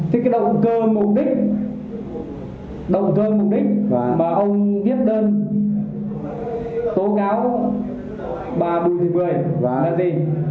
thế cái động cơ mục đích động cơ mục đích mà ông viết đơn tố cao ba nghìn một mươi là gì